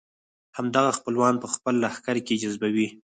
همدغه خپلوان په خپل لښکر کې جذبوي.